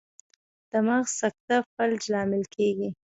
د مغز سکته فلج لامل کیږي